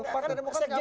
karena demokrasi kita